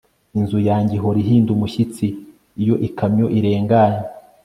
Inzu yanjye ihora ihinda umushyitsi iyo ikamyo irenganye